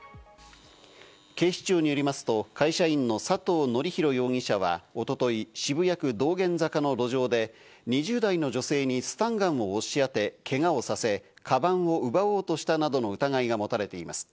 警視庁によりますと、会社員の佐藤紀裕容疑者は一昨日、渋谷区道玄坂の路上で２０代の女性にスタンガンを押し当て、けがをさせ、かばんを奪おうとしたなどの疑いが持たれています。